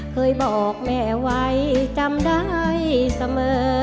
เคยบอกแม่ไว้จำได้เสมอ